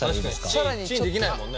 確かにチンできないもんね。